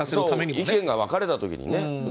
意見が分かれたときにね。